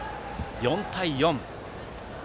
４対４。